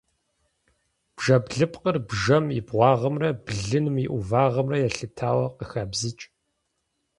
Бжэблыпкъыр бжэм и бгъуагъымрэ блыным и ӏувагъымрэ елъытауэ къыхабзыкӏ.